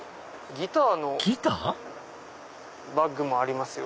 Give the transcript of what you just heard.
ギターのバッグもありますよ。